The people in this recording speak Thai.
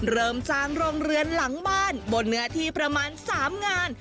เริ่มสร้างโรงเรือนหลังบ้านบนเนื้อที่ประมาณ๓งาน